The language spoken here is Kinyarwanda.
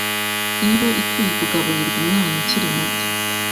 indyo ikwiye kugaburirwa umwana ukiri muto